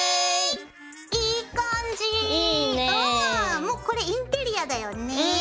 もうこれインテリアだよね。